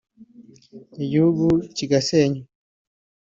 igihugu kigasenywa